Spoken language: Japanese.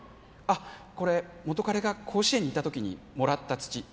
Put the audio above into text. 「あこれ元彼が甲子園に行った時にもらった土」